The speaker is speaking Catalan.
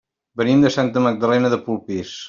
Venim de Santa Magdalena de Polpís.